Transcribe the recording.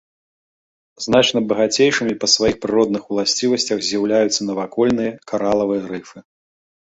Значна багацейшымі па сваіх прыродных уласцівасцях з'яўляюцца навакольныя каралавыя рыфы.